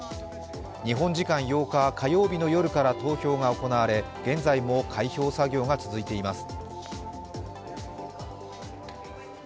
日本時間８日火曜日の夜から投票が行われ、現在も開票作業が続いています。